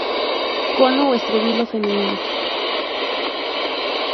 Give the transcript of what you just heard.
Cono o estróbilo femenino.